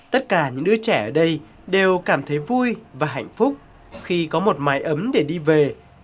tất cả những đứa trẻ ở đây đều cảm thấy vui và hạnh phúc khi có một mái ấm để đi về